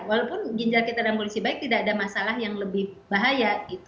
walaupun ginjal kita dalam kondisi baik tidak ada masalah yang lebih bahaya